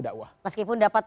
dan juga memiliki edukasi dakwah